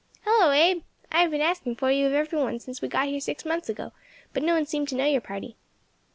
"Hello, Abe! I have been asking for you of every one since we got here six months ago, but no one seemed to know your party."